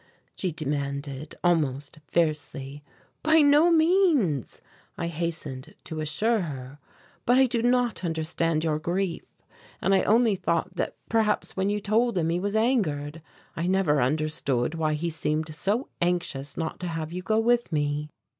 she demanded, almost fiercely. "By no means," I hastened to assure her, "but I do not understand your grief and I only thought that perhaps when you told him he was angered I never understood why he seemed so anxious not to have you go with me."